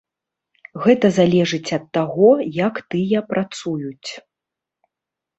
Гэта залежыць ад таго, як тыя працуюць.